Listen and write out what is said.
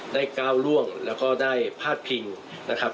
ก้าวล่วงแล้วก็ได้พาดพิงนะครับ